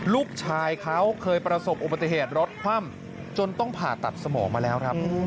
ลูกชายเขาเคยประสบอุบัติเหตุรถคว่ำจนต้องผ่าตัดสมองมาแล้วครับ